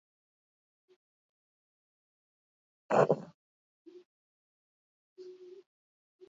Egun gurasoengandik ere badator presioa.